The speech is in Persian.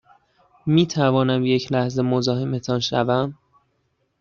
می توانم یک لحظه مزاحمتان شوم؟